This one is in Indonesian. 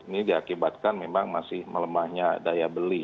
ini diakibatkan memang masih melemahnya daya beli